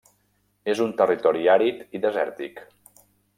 És un territori àrid i desèrtic.